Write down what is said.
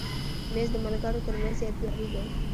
مېز د ملګرو تر منځ یادګاري دی.